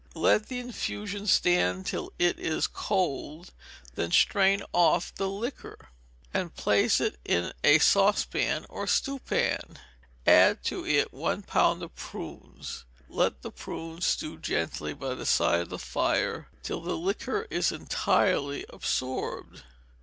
Let the infusion stand till it is cold, then strain off the liquor, and place it in a saucepan or stewpan, adding to it one pound of prunes. Let the prunes stew gently by the side of the fire till the liquor is entirely absorbed.